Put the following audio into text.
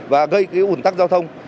và gây cái ủn tắc giao thông